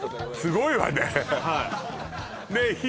すごいわねねえ